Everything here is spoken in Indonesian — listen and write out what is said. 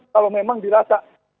kalau memang dirasa